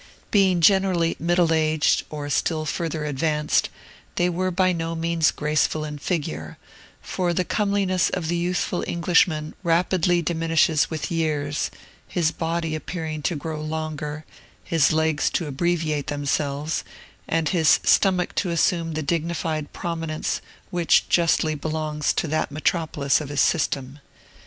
Being generally middle aged, or still further advanced, they were by no means graceful in figure; for the comeliness of the youthful Englishman rapidly diminishes with years, his body appearing to grow longer, his legs to abbreviate themselves, and his stomach to assume the dignified prominence which justly belongs to that metropolis of his system.